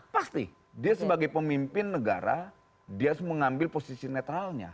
pasti dia sebagai pemimpin negara dia harus mengambil posisi netralnya